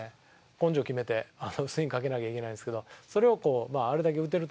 根性決めてスイングかけなきゃいけないんですけどそれをこうあれだけ打てるとね